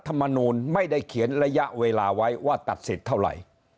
มนูลไม่ได้เขียนระยะเวลาไว้ว่าตัดสิทธิ์เท่าไหร่